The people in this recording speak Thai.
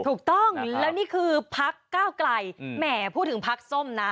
ถูกต้องแล้วนี่คือพักก้าวไกลแหมพูดถึงพักส้มนะ